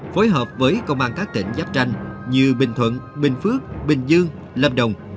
phối hợp với công an các tỉnh giáp tranh như bình thuận bình phước bình dương lâm đồng